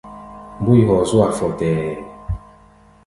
Mbúi hɔɔ zú-a fɔtɛɛ.